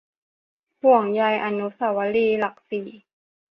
ห่วงใยอนุสาวรีย์หลักสี่